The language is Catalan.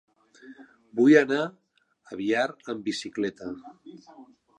Vull anar a Biar amb bicicleta.